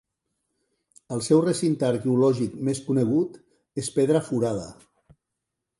El seu recinte arqueològic més conegut és Pedra Furada.